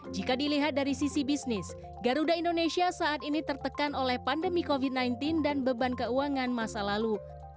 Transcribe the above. jika dilihat dari sisi bisnis garuda indonesia saat ini tertekan oleh pandemi covid sembilan belas dan beban keuangan masa lalu